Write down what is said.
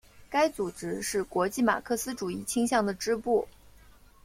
该组织是国际马克思主义倾向的支部。